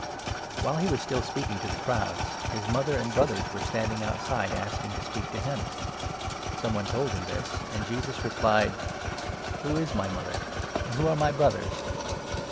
The true While he was still speaking to the crowds, his 46 Brotherhood, motherand brothers were standing outside, asking to speak to him. Some one told him this, and Jesus replied : 47, " Who is my mother ? and who are my brothers